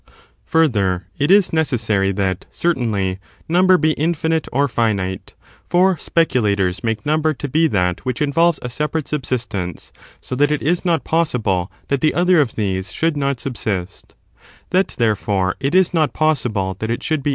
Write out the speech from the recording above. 9. Number Further, it is necessary that, certainly, number muAt be either bc infinite or finite ; for speculators make finite.^'^ ° number to be that which involves a separate subsistence, so that it is not possibie that the other of these should not subsist 10. It cannot be That, therefore, it is not possible that it should infinite.